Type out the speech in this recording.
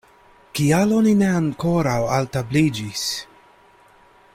Kial oni ne ankoraŭ altabliĝis?